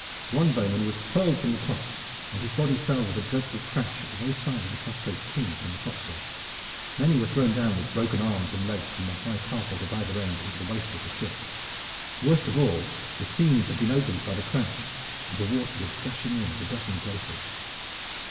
One bowman was hurled from the top, and his body fell with a dreadful crash at the very side of the prostrate King upon the forecastle. Many were thrown down with broken arms and legs from the high castles at either end into the waist of the ship. Worst of all, the seams had been opened by the crash and the water was gushing in at a dozen places.